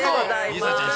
梨紗ちゃん